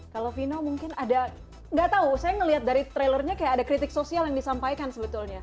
kalau vino mungkin ada nggak tahu saya melihat dari trailernya kayak ada kritik sosial yang disampaikan sebetulnya